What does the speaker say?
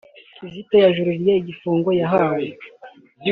Kizito yajuririye igifungo yahawe